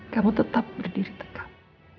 kamu tetap berdiri tegak